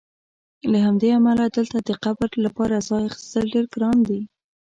له همدې امله دلته د قبر لپاره ځای اخیستل ډېر ګران دي.